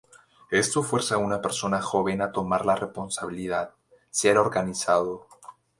Esto fuerza a una persona joven a tomar la responsabilidad, ser organizado.